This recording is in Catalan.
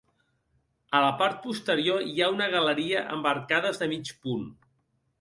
A la part posterior hi ha una galeria amb arcades de mig punt.